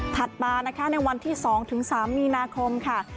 มานะคะในวันที่๒๓มีนาคมค่ะ